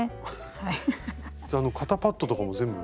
じゃあ肩パッドとかも全部。